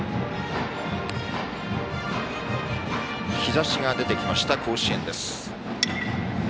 日ざしが出てきました、甲子園。